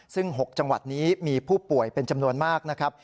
ซึ่ง๖จังหวัดนี้มีผู้ป่วยเป็นจำนวนมากนะครับ